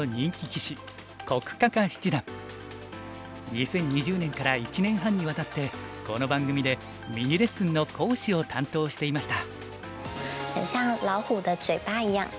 ２０２０年から１年半にわたってこの番組でミニレッスンの講師を担当していました。